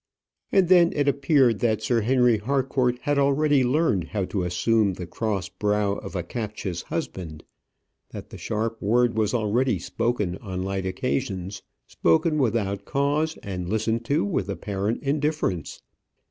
And then it appeared that Sir Henry Harcourt had already learned how to assume the cross brow of a captious husband; that the sharp word was already spoken on light occasions spoken without cause and listened to with apparent indifference.